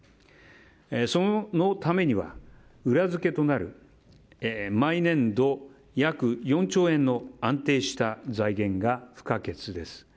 そのためには、裏付けとなる毎年度約４兆円の安定した財源が不可欠です。